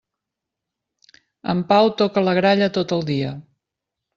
En Pau toca la gralla tot el dia.